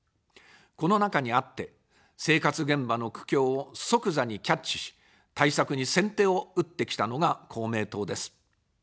この中にあって、生活現場の苦境を即座にキャッチし、対策に先手を打ってきたのが公明党です。